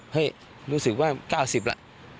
เฮ้ยรู้สึกว่า๙๐ละ